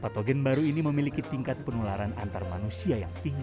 patogen baru ini memiliki tingkat penularan antar manusia yang tinggi